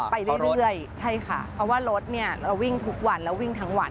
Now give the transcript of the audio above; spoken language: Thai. ไปเรื่อยใช่ค่ะเพราะว่ารถเนี่ยเราวิ่งทุกวันแล้ววิ่งทั้งวัน